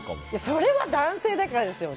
それは男性だからですよ。